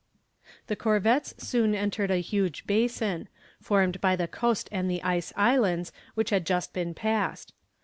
"] The corvettes soon entered a huge basin, formed by the coast and the ice islands which had just been passed.